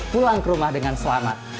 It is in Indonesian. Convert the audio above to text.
pulang ke rumah dengan selamat